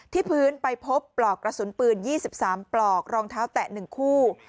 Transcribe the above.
ที่พื้นไปพบปลอกกระสุนปืน๒๓ปลอกรองเท้าแตะ๑คู่